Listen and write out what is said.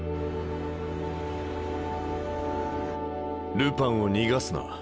ルパンを逃がすな。